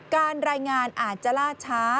การรายงานอาจจะล่าช้า